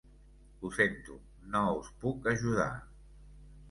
Ho sento, no us puc ajudar.